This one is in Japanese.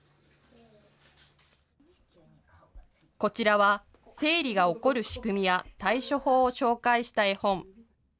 こちらは、生理が起こる仕組みや対処法を紹介した絵本。